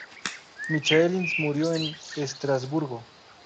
Michaelis murió en Estrasburgo.